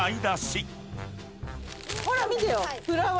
ほらっ見てよ。